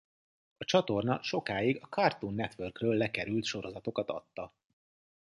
A csatorna sokáig a Cartoon Network-ről lekerült sorozatokat adta.